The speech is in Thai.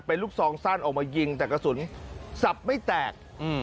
เป็นลูกซองสั้นออกมายิงแต่กระสุนสับไม่แตก